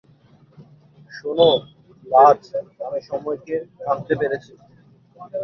শোন, বায, আমি সময়কে ভাঙতে পেরেছি।